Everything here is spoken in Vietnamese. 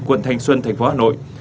quận thanh xuân thành phố hà nội